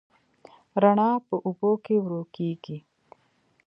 رڼا په اوبو کې ورو کېږي.